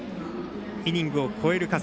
イニングを超える数。